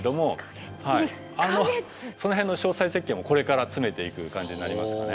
その辺の詳細設計もこれから詰めていく感じになりますかね。